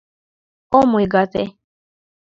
Ом ойгате!